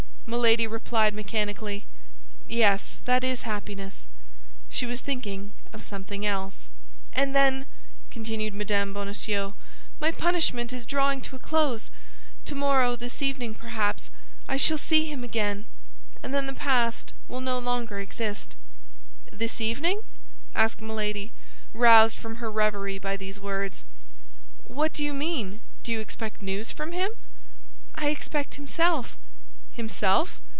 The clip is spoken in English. Milady replied mechanically, "Yes, that is happiness." She was thinking of something else. "And then," continued Mme. Bonacieux, "my punishment is drawing to a close. Tomorrow, this evening, perhaps, I shall see him again; and then the past will no longer exist." "This evening?" asked Milady, roused from her reverie by these words. "What do you mean? Do you expect news from him?" "I expect himself." "Himself?